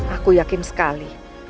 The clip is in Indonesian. aku yakin sekali